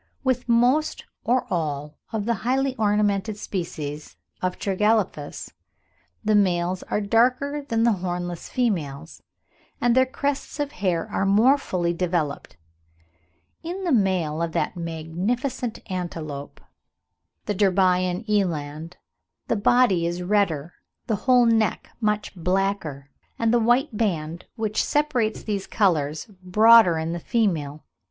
With most or all of the highly ornamented species of Tragelaphus the males are darker than the hornless females, and their crests of hair are more fully developed. In the male of that magnificent antelope, the Derbyan eland, the body is redder, the whole neck much blacker, and the white band which separates these colours broader than in the female.